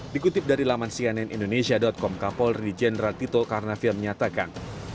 dikutip dari laman cnnindonesia com kapolri jenderal tito karnavian menyatakan